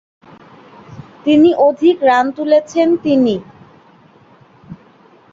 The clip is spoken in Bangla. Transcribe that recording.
তিনি অধিক রান তুলেছেন তিনি।